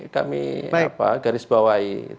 kami apa garis bawahi